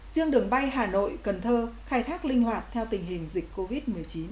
riêng đường bay hà nội cần thơ khai thác linh hoạt theo tình hình dịch covid một mươi chín